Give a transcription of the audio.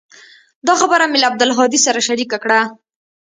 دا خبره مې له عبدالهادي سره شريکه کړه.